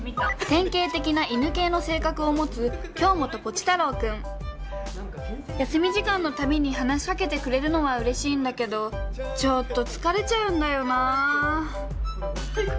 典型的な犬系の性格を持つ休み時間の度に話しかけてくれるのはうれしいんだけどちょっと疲れちゃうんだよな。